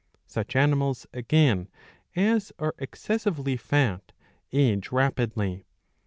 Such animals, again, as are excessively fat age rapidly.